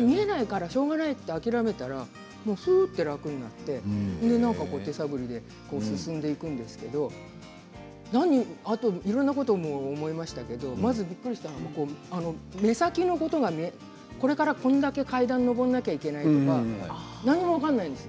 見えないから、しょうがないって諦めたらふうっと楽になって手探りで進んでいくんですけれどあといろいろなところを思いましたけれどまず、びっくりしたのは目先のことがこれからこれだけ階段を上らなきゃいけないとか何も分からないんです。